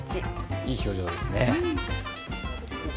いい表情ですね。